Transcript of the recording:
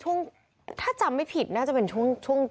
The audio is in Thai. ช่วงแรกถ้าจำไม่ผิดน่าไปเป็นช่วง